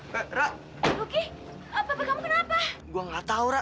babe kamu kenapa gue nggak tau ra